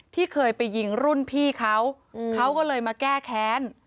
ที่เคยไปยิงรุ่นพี่เขาเขาก็เลยมาแก้แค้น